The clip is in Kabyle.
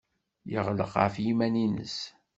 Yeɣleq ɣef yiman-nnes.